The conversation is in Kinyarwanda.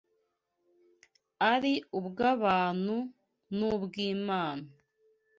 ari ubw’abantu n’ubw’Imana